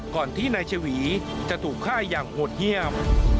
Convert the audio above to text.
ก่อนที่นายชวีจะถูกฆ่าอย่างโหดเยี่ยม